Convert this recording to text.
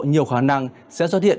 nhiều khả năng sẽ xuất hiện